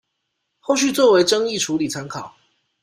後續作為爭議處理參考